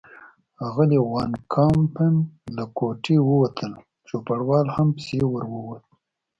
اغلې وان کمپن له کوټې ووتل، چوپړوال هم پسې ور ووت.